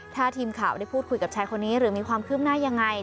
ถ้าทีมข่าวได้พูดคุยกับชายคนนี้หรือมีความคืบหน้ายังไง